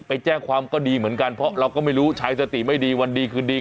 ไปแจ้งความก็ดีเหมือนกันเพราะเราก็ไม่รู้ชายสติไม่ดีวันดีคืนดี